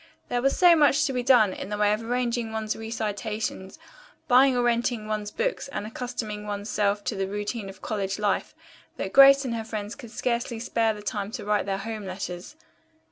There was so much to be done in the way of arranging one's recitations, buying or renting one's books and accustoming one's self to the routine of college life that Grace and her friends could scarcely spare the time to write their home letters.